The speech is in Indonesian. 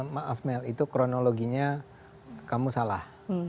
maaf mel itu kronologinya kamu salah